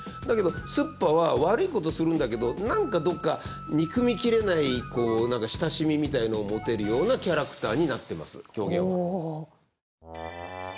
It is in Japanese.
だけどすっぱは悪いことするんだけど何かどっかに憎みきれない何か親しみみたいなのを持てるようなキャラクターになってます狂言は。